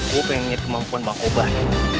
gue pengen kemampuan bang kobar